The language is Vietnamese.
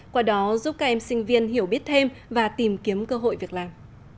qua đó giúp các em sinh viên hiểu biết thêm và tìm kiếm cơ hội việc làm